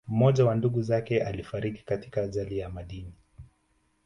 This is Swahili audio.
Mmoja wa ndugu zake alifariki katika ajali ya madini